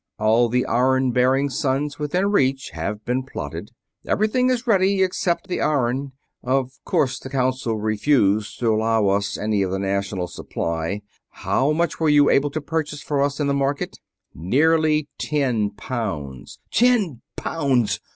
All the iron bearing suns within reach have been plotted. Everything is ready except the iron. Of course the Council refused to allow us any of the national supply how much were you able to purchase for us in the market?" "Nearly ten pounds...." "Ten pounds!